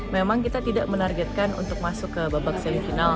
memang kita tidak menargetkan untuk masuk ke babak semifinal